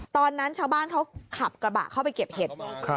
ตอนนั้นชาวบ้านเขาขับกระบะเข้าไปเก็บเห็ด